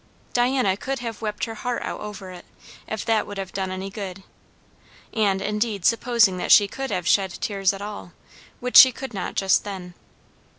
Diana could have wept her heart out over it, if that would have done any good; and indeed supposing that she could have shed tears at all, which she could not just then.